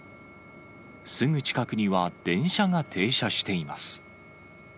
すぐ近くには電車が停車しています。